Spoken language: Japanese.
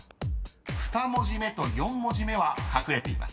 ［２文字目と４文字目は隠れています］